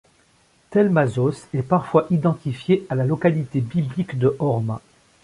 Tel Masos est parfois identifié à la localité biblique de Horma.